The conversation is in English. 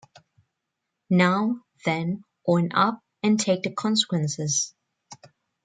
Now, then, own up and take the consequences.